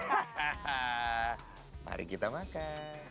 hahaha mari kita makan